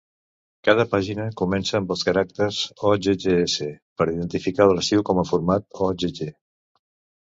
Cada pàgina comença amb els caràcters "OggS", per identificar l'arxiu com a format Ogg.